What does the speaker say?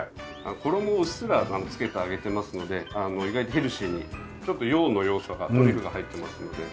衣をうっすら付けて揚げてますので意外とヘルシーにちょっと洋の要素がトリュフが入ってますので。